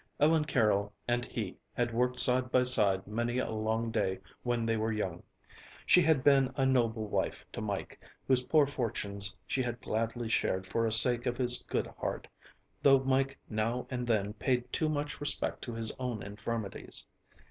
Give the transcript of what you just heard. Ellen Carroll and he had worked side by side many a long day when they were young. She had been a noble wife to Mike, whose poor fortunes she had gladly shared for sake of his good heart, though Mike now and then paid too much respect to his often infirmities.